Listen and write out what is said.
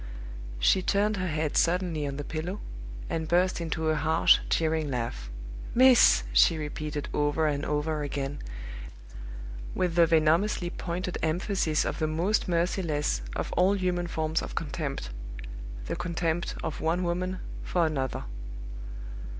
She turned her head suddenly on the pillow, and burst into a harsh, jeering laugh. "Miss!" she repeated over and over again, with the venomously pointed emphasis of the most merciless of all human forms of contempt the contempt of one woman for another.